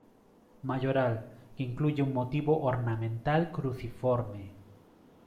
Mayoral, que incluye un motivo ornamental cruciforme.